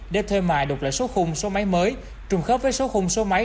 để thuê mài đục lại số khung số máy mới trùng khớp với số khung số máy